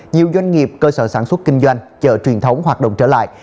nhiều doanh nghiệp cơ sở sản xuất kinh doanh chợ truyền thống hoạt động trở lại